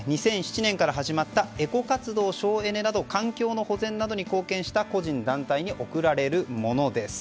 ２００７年から始まったエコ活動、省エネなど環境の保全に貢献した個人・団体に贈られるものです。